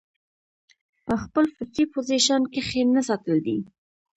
پۀ خپل فطري پوزيشن کښې نۀ ساتل دي